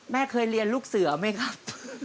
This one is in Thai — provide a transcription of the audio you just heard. แม่เคยเรียนลูกเสือไหมครับ